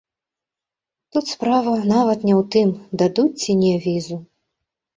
Тут справа нават не ў тым, дадуць ці не візу.